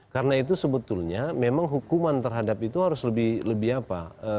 karena itu sebetulnya memang hukuman terhadap itu harus lebih apa